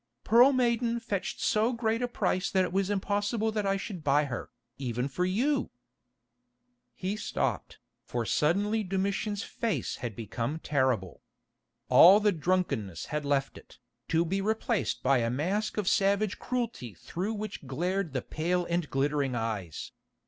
Pearl Maiden fetched so great a price that it was impossible that I should buy her, even for you——" He stopped, for suddenly Domitian's face had become terrible. All the drunkenness had left it, to be replaced by a mask of savage cruelty through which glared the pale and glittering eyes.